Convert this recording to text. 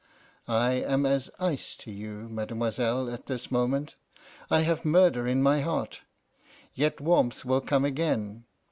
I am as ice to you, mademoiselle, at this moment; I have murder in my heart. Yet warmth will come again.